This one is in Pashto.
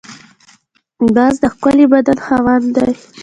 باز د ښکلي بدن خاوند دی